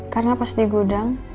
karena pas di gudang